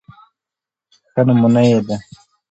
ښه نمونه يې د